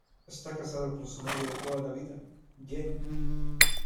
Está casado con su novia de toda la vida, Jenny.